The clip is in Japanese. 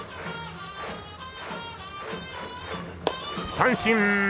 三振。